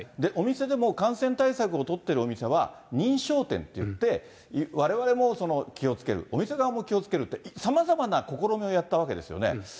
お店でも、感染対策を取ってるお店は認証店といって、われわれも気をつける、お店側も気をつけるって、さまざまな試みをやったわけですよね。